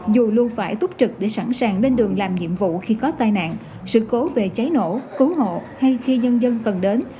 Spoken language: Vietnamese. dù luôn phải túc trực để sẵn sàng lên đường làm nhiệm vụ khi có tai nạn sự cố về cháy nổ cứu hộ hay khi nhân dân cần đến